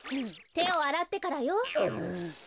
てをあらってからよ。